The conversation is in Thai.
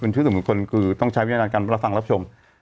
ชื่อจุฬกรรมครัวต้องใช้วิญญาณการปรภังรับชม